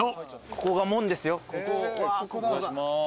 ここが門ですよ。